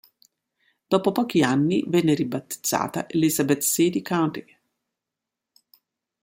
Dopo pochi anni venne ribattezzata "Elizabeth City County".